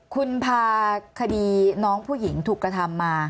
คุณพาคดีน้องผู้หญิงถูกกระทำมา